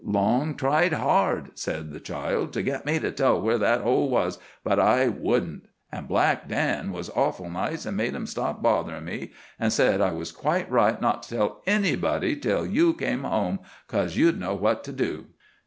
"Long tried hard," said the child, "to get me to tell where that hole was, but I wouldn't. And Black Dan was awful nice, an' made him stop botherin' me, an' said I was quite right not to tell anybody till you came home, coz you'd know just what to do."